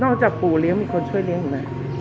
จากปู่เลี้ยงมีคนช่วยเลี้ยงอีกไหม